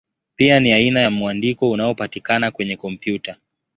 Pia ni aina ya mwandiko unaopatikana kwenye kompyuta.